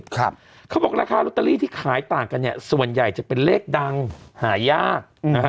เขาบอกว่าลอตเตอรี่ที่ขายต่างกันส่วนใหญ่จะเป็นเลขดังหายาก